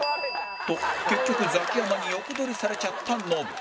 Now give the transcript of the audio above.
と結局ザキヤマに横取りされちゃったノブ